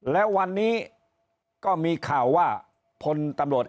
และวันนี้ก็มีข่าวว่า